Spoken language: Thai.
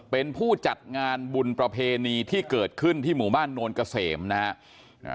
เป็นผู้จัดงานบุญประเพณีที่เกิดขึ้นที่หมู่บ้านโนนเกษมนะฮะ